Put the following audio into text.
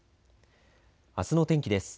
あすの天気です。